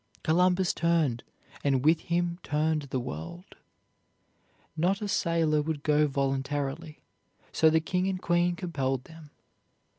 Columbus turned and with him turned the world. Not a sailor would go voluntarily; so the king and queen compelled them.